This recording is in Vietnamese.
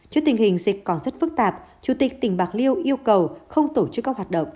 trước tình hình dịch còn rất phức tạp chủ tịch tỉnh bạc liêu yêu cầu không tổ chức các hoạt động